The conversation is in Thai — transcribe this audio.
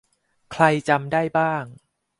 ใครจำได้บ้าง